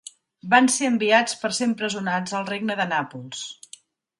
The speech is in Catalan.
Van ser enviats per ser empresonats al Regne de Nàpols.